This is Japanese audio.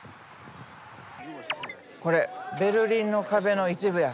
これベルリンの壁の一部や。